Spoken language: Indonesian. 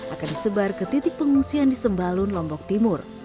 akan disebar ke titik pengungsian di sembalun lombok timur